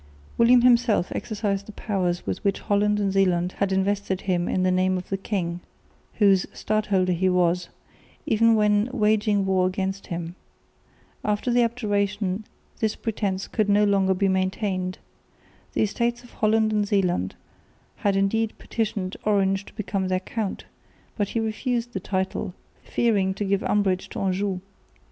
William himself exercised the powers with which Holland and Zeeland had invested him in the name of the king, whose stadholder he was, even when waging war against him. After the Abjuration this pretence could no longer be maintained. The Estates of Holland and Zeeland had indeed petitioned Orange to become their count, but he refused the title, fearing to give umbrage to Anjou.